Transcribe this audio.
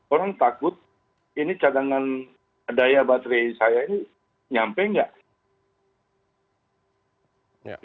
orang takut ini cadangan daya baterai saya ini nyampe nggak